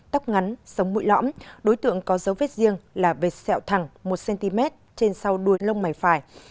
tóc ngắn sống mũi lõm đối tượng có dấu vết riêng là vệt sẹo thẳng một cm trên sau đuôi lông mày phải